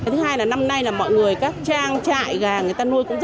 thứ hai là năm nay mọi người các trang trại gà người ta nuôi cũng rất nhiều